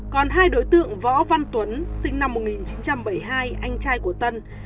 còn hai đối tượng võ văn tuấn sinh năm một nghìn chín trăm bảy mươi hai anh trai của tân